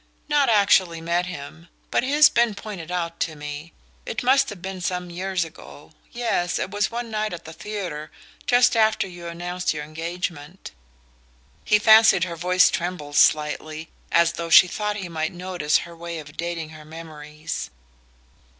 "Not actually met him but he's been pointed out to me. It must have been some years ago. Yes it was one night at the theatre, just after you announced your engagement." He fancied her voice trembled slightly, as though she thought he might notice her way of dating her memories.